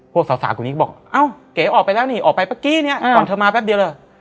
พวกสาวกลุ่มนี้ก็บอกเอ้าเก๋ออกไปแล้วนี่ออกไปเมื่อกี้เนี่ยก่อนเธอมาแป๊บเดียวเหรอ